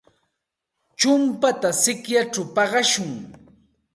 Chumpata sikyachaw paqashun.